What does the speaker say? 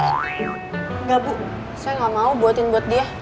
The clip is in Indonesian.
enggak bu saya nggak mau buatin buat dia